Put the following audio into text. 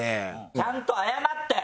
ちゃんと謝って！